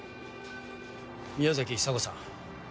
宮崎久子さん。